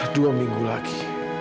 dua minggu lagi